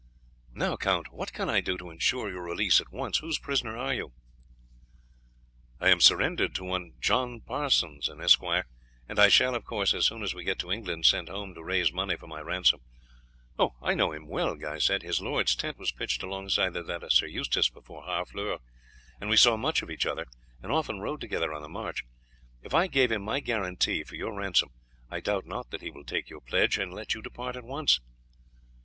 "Now, Count, what can I do to ensure your release at once? Whose prisoner are you?" "I surrendered to one John Parsons, an esquire, and I shall, of course, as soon as we get to England, send home to raise money for my ransom." "I know him well," Guy said; "his lord's tent was pitched alongside that of Sir Eustace, before Harfleur, and we saw much of each other, and often rode together on the march. If I gave him my guarantee for your ransom, I doubt not that he will take your pledge, and let you depart at once."